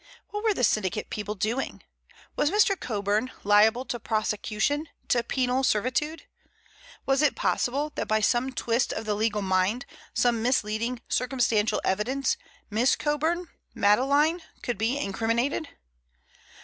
What were the syndicate people doing? Was Mr. Coburn liable to prosecution, to penal servitude? Was it possible that by some twist of the legal mind, some misleading circumstantial evidence, Miss Coburn—Madeleine—could be incriminated?